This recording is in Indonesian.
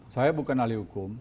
saya bukan ahli hukum